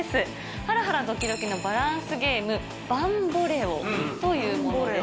ハラハラドキドキのバランスゲーム、バンボレオというものです。